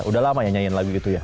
udah lama nyanyiin lagu itu ya